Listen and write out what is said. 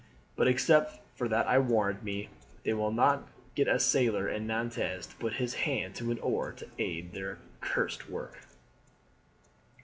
But except for that I warrant me they will not get a sailor in Nantes to put his hand to an oar to aid their accursed work."